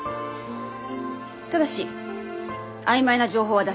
ただし曖昧な情報は出せません。